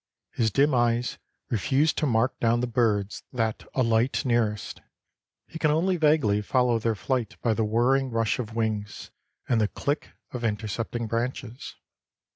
His dim eyes refuse to mark down the birds that alight nearest; he can only vaguely follow their flight by the whirring rush of wings and the click of intercepting branches.